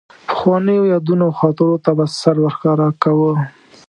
پخوانیو یادونو او خاطرو ته به سر ورښکاره کاوه.